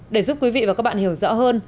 để giúp quý vị và các bạn hiểu rõ hơn